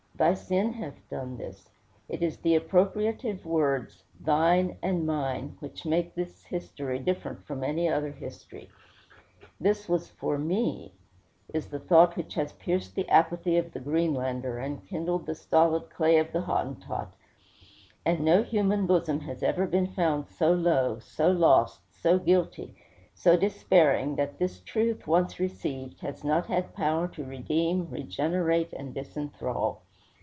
Thy sin hath done this. It is the appropriative words, thine and mine, which make this history different from any other history. This was for me, is the thought which has pierced the apathy of the Greenlander, and kindled the stolid clay of the Hottentot; and no human bosom has ever been found so low, so lost, so guilty, so despairing, that this truth, once received, has not had power to redeem, regenerate, and disenthrall.